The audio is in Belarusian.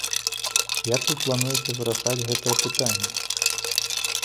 Як вы плануеце вырашаць гэтае пытанне?